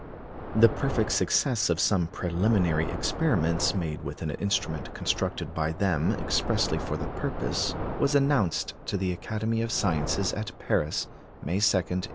The perfect success of some preliminary experiments made with an instrument constructed by them expressly for the purpose was announced to the Academy of Sciences at Paris, May 2, 1885.